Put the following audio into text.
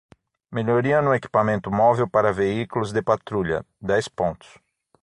Melhoria no equipamento móvel para veículos de patrulha: dez pontos.